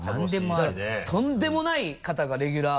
だからとんでもない方がレギュラーを。